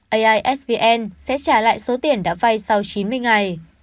aisvn sẽ trả lại số tiền đã vay sau chín mươi ngày